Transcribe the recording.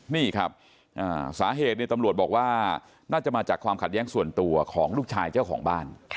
นี่ครับสาเหตุตำรวจบอกว่าน่าจะมาจากความขัดแย้งส่วนตัวของลูกชายเจ้าของบ้าน